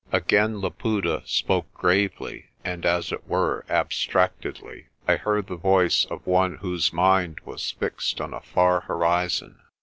Again Laputa spoke gravely and, as it were, abstractedly. I heard the voice of one whose mind was fixed on a far horizon.